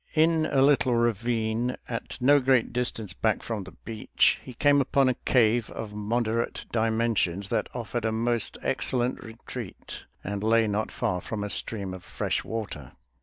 In a little ravine at no great distance back from the beach, he came upon a cave of moderate dimensions that offered a most excellent retreat and lay not far from a stream of fresh water.